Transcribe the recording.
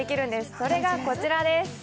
それがこちらです。